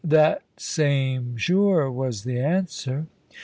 "That same sure," was the answer.